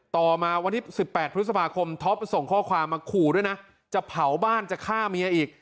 ต่อมาวันที่๑๘พฤษภาคมท็อปส่งข้อความมาขู่ด้วยนะจะเผาบ้านจะฆ่าเมียอีก